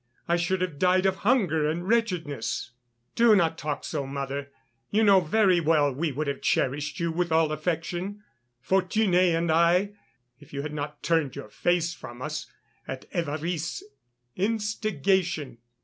I should have died of hunger and wretchedness." "Do not talk so, mother; you know very well we would have cherished you with all affection, Fortuné and I, if you had not turned your face from us, at Évariste's instigation.